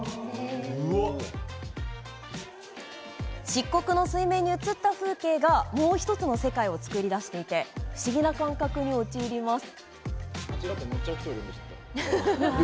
漆黒の水面に映った風景がもう１つの世界を作り出していて不思議な感覚に陥ります。